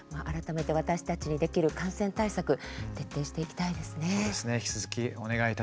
改めて私たちにできる感染対策を徹底していきたいですね。